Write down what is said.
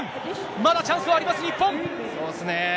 まだチャンスはあります、日本。